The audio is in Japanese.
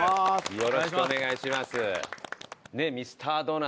よろしくお願いします。